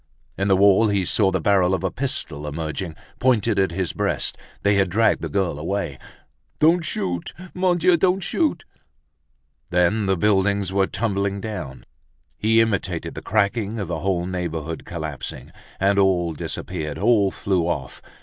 In the wall he saw the barrel of a pistol emerging, pointed at his breast. They had dragged the girl away. "Don't shoot! Mon Dieu! Don't shoot!" Then, the buildings were tumbling down, he imitated the cracking of a whole neighborhood collapsing; and all disappeared, all flew off.